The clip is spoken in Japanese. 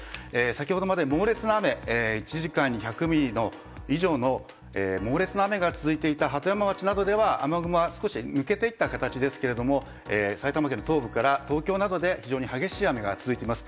先ほどまで猛烈な雨１時間に１００ミリ以上の猛烈な雨が続いていた鳩山町などでは雨雲が抜けていった形ですが埼玉県の東部から東京などで非常に激しい雨が続いています。